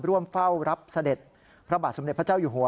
ร่วมเฝ้ารับเสด็จพระบาทสมเด็จพระเจ้าอยู่หัว